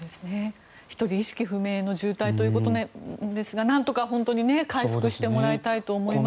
１人意識不明の重体ということですがなんとか本当に回復してもらいたいと思います。